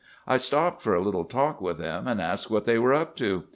"'I stopped for a little talk with them, and asked what they were up to.